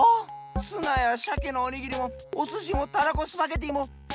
ツナやシャケのおにぎりもおすしもたらこスパゲッティもフィッシュバーガーも！